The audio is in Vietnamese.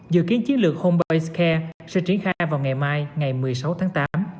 dự kiến chiến lược homebody care sẽ triển khai vào ngày mai ngày một mươi sáu tháng tám